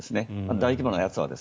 大規模なやつは。